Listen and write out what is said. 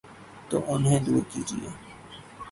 تو انہیں دور کیجیے۔